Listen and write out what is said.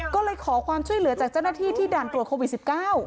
ก็เลยขอความช่วยเหลือจากเจ้าหน้าที่ที่ด่านตรวจโควิด๑๙